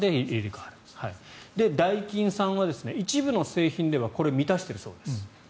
ダイキンさんは一部の製品ではこれを満たしているそうです。